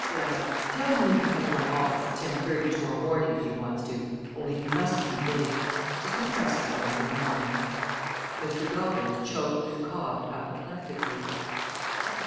"Er tell him he can come to my office at ten thirty to morrow morning if he wants to, only he mustn't be late. Just impress that on his mind." Mr. Dobbins choked and coughed apoplectically.